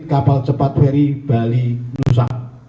kapal cepat ferry bali nusa